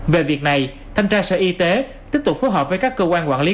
về việc này thanh tra sở y tế tiếp tục phối hợp với các cơ quan quản lý